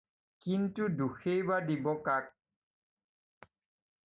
কিন্তু দোষেই বা দিব কাক।